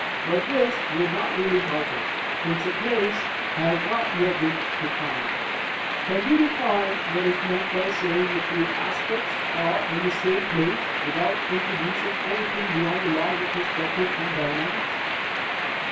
But this would not really help us, since a "place" has not yet been defined. Can we define what is meant by saying that two aspects are "in the same place," without introducing anything beyond the laws of perspective and dynamics?